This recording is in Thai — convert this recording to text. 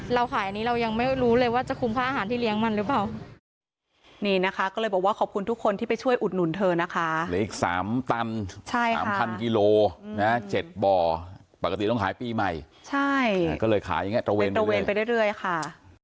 เราขายอันนี้เรายังไม่รู้เลยว่าจะคุมค่าอาหารที่เลี้ยงมันหรือเปล่า